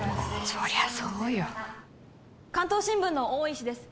そりゃそうよ関東新聞の大石です